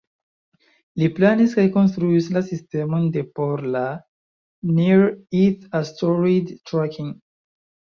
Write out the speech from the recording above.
Li planis kaj konstruis la sistemon de por la "Near Earth Asteroid Tracking".